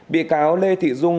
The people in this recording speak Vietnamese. bị cáo lê thị dung